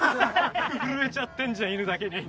震えちゃってんじゃん犬だけに。